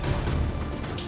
saya mau setuju poin disini